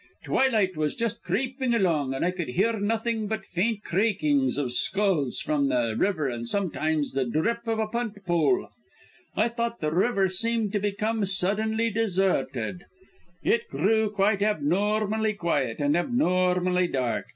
Twilight was just creeping along, and I could hear nothing but faint creakings of sculls from the river and sometimes the drip of a punt pole. I thought the river seemed to become suddenly deserted; it grew quite abnormally quiet and abnormally dark.